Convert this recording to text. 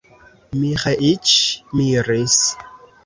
Miĥeiĉ miris.